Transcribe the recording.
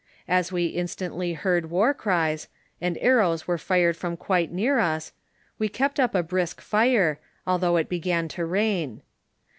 As we instantly heard war cries, and aiTOWs were fired from quite near us, we kept up a brisk fire, although it began to rain.